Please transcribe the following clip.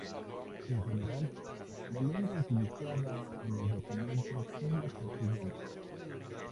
En general, la lengua utilizada en los documentos es la castellana.